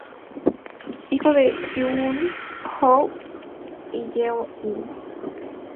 Hijo de Jung Ho y Yeon Hee.